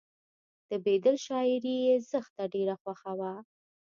د بیدل شاعري یې زښته ډېره خوښه وه